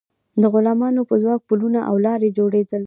د غلامانو په ځواک پلونه او لارې جوړیدل.